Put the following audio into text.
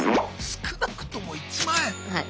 少なくとも１万円⁉はい。